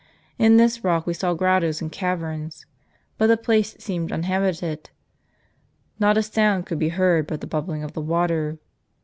In this rock we saw grottoes and caverns ; but the place seemed uninhabited. JSTot a sound could be heard but the bubbling of the water.